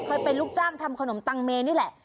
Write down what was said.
เป็นลูกจ้างทำขนมตังเมนี่แหละ